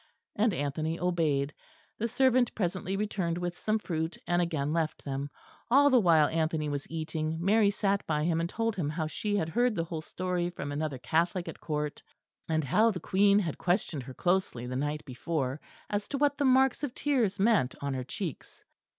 And Anthony obeyed. The servant presently returned with some fruit, and again left them. All the while Anthony was eating, Mary sat by him and told him how she had heard the whole story from another Catholic at court; and how the Queen had questioned her closely the night before, as to what the marks of tears meant on her cheeks.